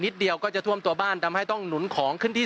เดียวก็จะท่วมตัวบ้านทำให้ต้องหนุนของขึ้นที่